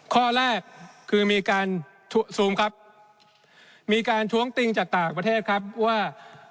ข้อแรกคือมีการทวงติงจากต่างประเทศครับว่า